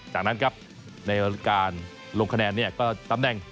จากนั้นครับในการลงคะแนนเนี่ยก็ตำแหน่ง